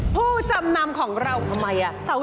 ผู้จำนำของเราทำไม